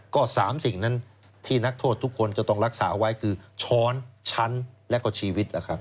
ก็๓สิ่งนั้นที่นักโทษทุกคนจะต้องรักษาไว้คือช้อนชั้นและก็ชีวิตล่ะครับ